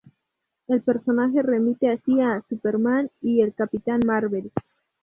El personaje remite así a "Superman" y "El Capitán Marvel".